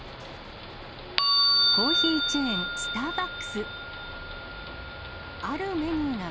コーヒーチェーン、スターバックス。